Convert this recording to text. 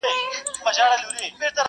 یار به واچوم تارونه نوي نوي و رباب ته